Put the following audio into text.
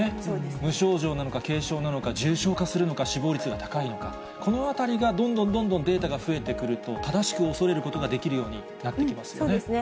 無症状なのか、軽症なのか、重症化するのか、死亡率が高いのか、このあたりが、どんどんどんどんデータが増えてくると、正しく恐れることができるようになってきますよね。